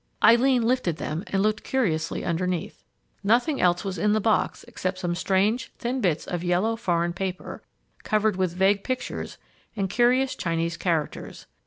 Eileen lifted them and looked curiously underneath. Nothing else was in the box except some strange, thin bits of yellow, foreign paper covered with vague pictures and curious Chinese characters.